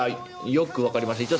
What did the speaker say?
よく分かります。